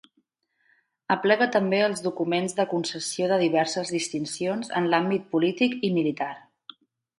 Aplega també els documents de concessió de diverses distincions en l'àmbit polític i militar.